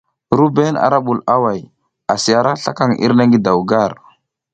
RUBEN ara bul away, asi ara slakaŋ irne ngi daw gar.